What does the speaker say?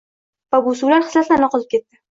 Va bu suvlar xislatlarni oqizib ketdi.